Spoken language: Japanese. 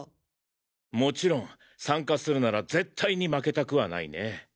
もちろん参加するなら絶対に負けたくはないね。